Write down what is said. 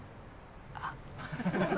あっ。